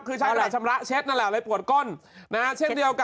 คือใช้กระดาษชำระเช็ดนั่นแหละเลยปวดก้นนะฮะเช่นเดียวกับ